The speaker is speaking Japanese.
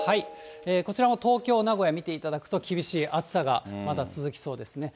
こちらも東京、名古屋、見ていただくと、厳しい暑さがまだ続きそうですね。